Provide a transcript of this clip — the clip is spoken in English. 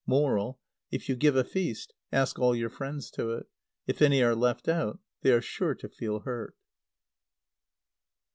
Moral: If you give a feast, ask all your friends to it. If any are left out, they are sure to feel hurt.